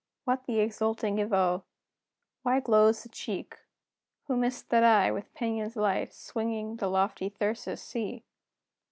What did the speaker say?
What the exulting Evoe? Why glows the cheek? Whom is't that I, with pinions light, Swinging the lofty Thyrsus see?